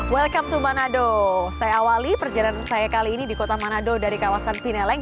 welcome to manado saya awali perjalanan saya kali ini di kota manado dari kawasan pineleng